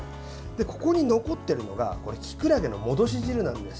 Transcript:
ここに残っているのがきくらげの戻し汁なんです。